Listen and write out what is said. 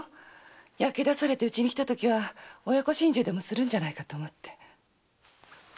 焼け出されてうちに来たときは親子心中でもするんじゃないかと思って。